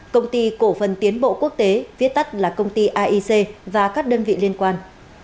công ty cổ phần tiến bộ quốc tế viết tắt là công ty aic và các đơn vị liên quan